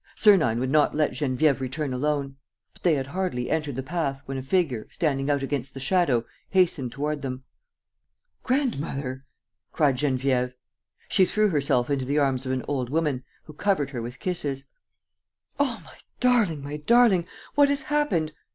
Sernine would not let Geneviève return alone. But they had hardly entered the path, when a figure, standing out against the shadow, hastened toward them. "Grandmother!" cried Geneviève. She threw herself into the arms of an old woman, who covered her with kisses: "Oh, my darling, my darling, what has happened?